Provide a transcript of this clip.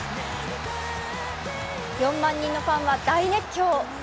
４万人のファンは大熱狂。